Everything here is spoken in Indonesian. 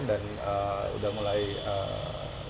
dan udah mulai di